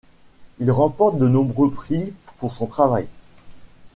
Il remporte de nombreux prix pour son travail.